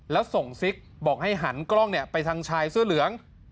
แล้วส่งซิกบอกให้หันกล้องไปทางชายเสื้อเหลือง